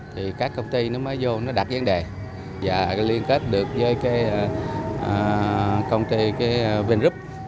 thì các công ty mới vô đặt vấn đề và liên kết được với công ty vinrub